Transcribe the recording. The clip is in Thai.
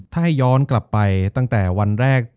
ถ้าให้ย้อนกลับไปตั้งแต่วันแรก